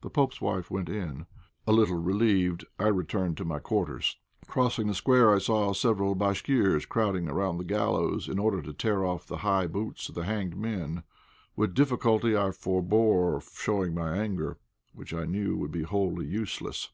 The pope's wife went in; a little relieved, I returned to my quarters. Crossing the square I saw several Bashkirs crowding round the gallows in order to tear off the high boots of the hanged men. With difficulty I forbore showing my anger, which I knew would be wholly useless.